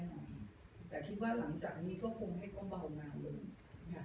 แต่ที่ว่าหลังจากนี้ก็คงให้พี่อ๊อคเบางานเลย